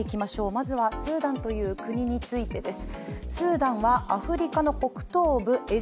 まずはスーダンという国についてです。